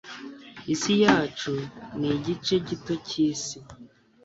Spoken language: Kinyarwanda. Isi yacu nigice gito cyisi.